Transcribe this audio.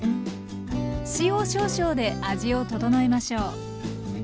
塩少々で味を調えましょう。